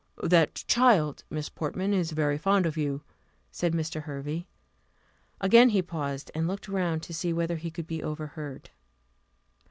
"That child, Miss Portman, is very fond of you," said Mr. Hervey. Again he paused, and looked round to see whether he could be overheard.